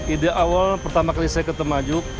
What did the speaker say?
ide awal pertama kali saya ke temajuk